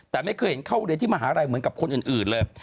แต่ไม่เคยเห็นเข้าเรียนที่มหาลัยเหมือนกับคนอื่นเลย